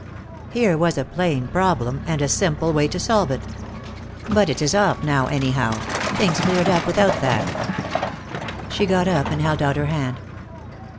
"Here was a plain problem, and a simple way to solve it. But it is off now, anyhow; things cleared up without that." She got up and held out her hand.